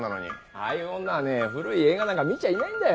ああいう女はね古い映画なんか見ちゃいないんだよ。